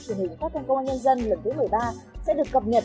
truyền hình phát thanh công an nhân dân lần thứ một mươi ba sẽ được cập nhật